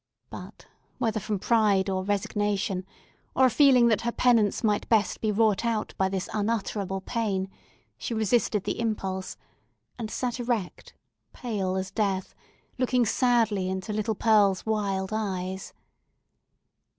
But whether from pride or resignation, or a feeling that her penance might best be wrought out by this unutterable pain, she resisted the impulse, and sat erect, pale as death, looking sadly into little Pearl's wild eyes.